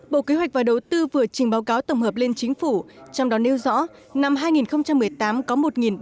bộ kế hoạch và đầu tư vừa trình báo cáo tổng hợp lên chính phủ trong đó nêu rõ năm hai nghìn một mươi tám có